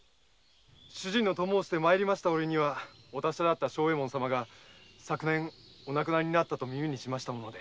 主人の供をして参りました折にはお達者の庄右衛門様が昨年お亡くなりになったと耳にしまして。